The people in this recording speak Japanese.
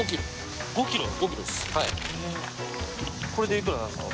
これでいくらなんですか？